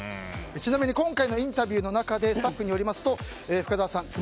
ちなみに今回のインタビューの中でスタッフによりますと深澤さん